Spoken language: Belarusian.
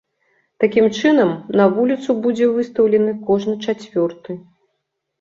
Такім чынам, на вуліцу будзе выстаўлены кожны чацвёрты.